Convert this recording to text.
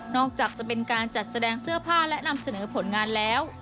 อกจากจะเป็นการจัดแสดงเสื้อผ้าและนำเสนอผลงานแล้ว